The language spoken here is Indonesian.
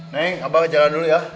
neng abah ke jalan dulu ya